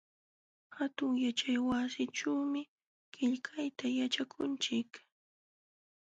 Hatun yaćhaywasićhuumi qillqayta yaćhanchik.